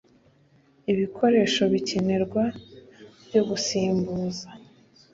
ibikoresho bikenerwa byo gusimbuza